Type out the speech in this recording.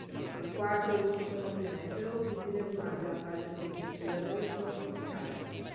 Il quarto e ultimo movimento è udibile durante la fase definitiva dello scontro finale.